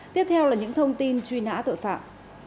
tiếp theo là những thông tin truy nã tội phạm